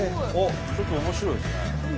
ちょっと面白いですね。